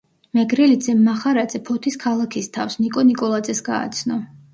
მეგრელიძემ მახარაძე ფოთის ქალაქის თავს, ნიკო ნიკოლაძეს გააცნო.